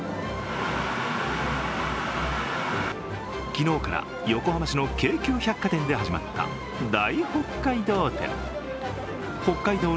昨日から横浜市の京急百貨店で始まった大北海道展。